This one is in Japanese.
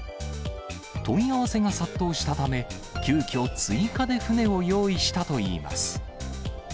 問い合わせが殺到したため、急きょ、追加で船を用意したといいます。